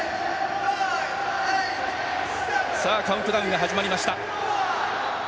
カウントダウンが始まりました。